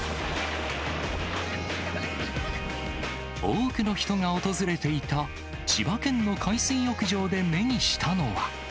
多くの人が訪れていた千葉県の海水浴場で目にしたのは。